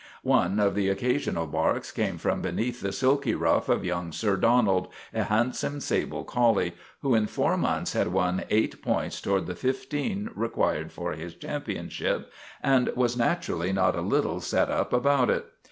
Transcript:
One of the occasional barks came from beneath the silky ruff of young Sir Donald, a handsome sable collie, who in four months had won eight points to ward the fifteen required for his championship, and was naturally not a little set up about it.